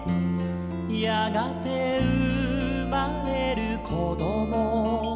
「やがてうまれるこどもたち」